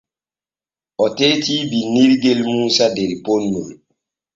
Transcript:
O teetii binnirgel Muusa der ponnol.